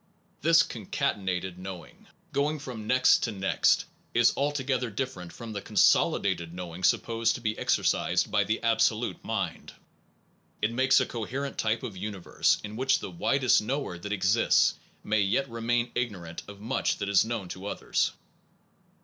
This * concatenated knowing, going from next to 129 SOME PROBLEMS OF PHILOSOPHY next, is altogether different from the c consoli dated knowing supposed to be exercised by the absolute mind. It makes a coherent type of universe in which the widest knower that exists may yet remain ignorant of much that is known to others.